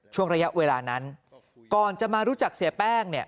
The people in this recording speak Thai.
ช่วงระยะเวลานั้นก่อนจะมารู้จักเสียแป้งเนี่ย